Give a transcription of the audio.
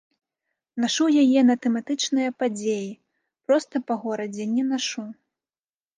Нашу яе на тэматычныя падзеі, проста па горадзе не нашу.